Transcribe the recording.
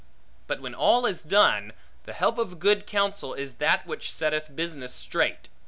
But when all is done, the help of good counsel, is that which setteth business straight.